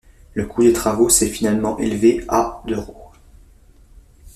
Le coût des travaux s'est finalement élevé à d'euros.